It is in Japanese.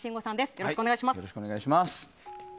よろしくお願いします。